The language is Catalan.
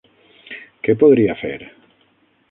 Què podria fer?